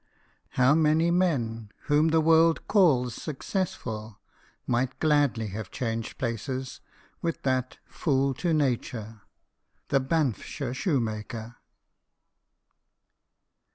How many men whom the world calls successful might gladly have changed places with that " fool to nature," the Banffshire shoemaker